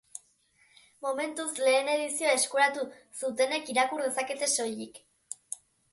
Momentuz, lehen edizioa eskuratu zutenek irakur dezakete soilik.